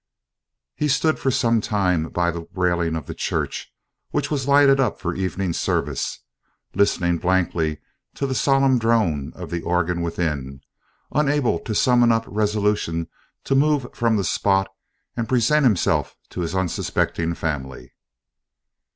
He stood for some time by the railing of the church, which was lighted up for evening service, listening blankly to the solemn drone of the organ within, unable to summon up resolution to move from the spot and present himself to his unsuspecting family.